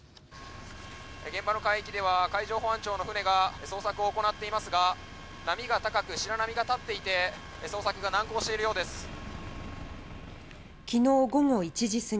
現場の海域では海上保安庁の船が捜索を行っていますが波が高く白波が立っていて捜索が難航しているようです。